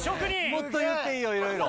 もっと言っていいよ色々。